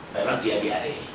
memang dia biari